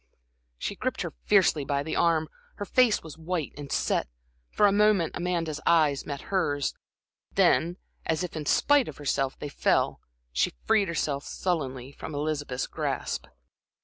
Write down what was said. She gripped her fiercely by the arm, her face was white and set. For a moment Amanda's eyes met hers. Then, as if in spite of herself, they fell, she freed herself sullenly from Elizabeth's grasp.